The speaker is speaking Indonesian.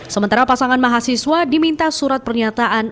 sementara pasangan mahasiswa diminta surat pernyataan